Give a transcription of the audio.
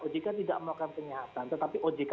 ojk tidak melakukan penyihatan tetapi ojk